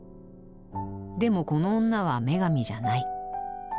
でもこの女は女神じゃない。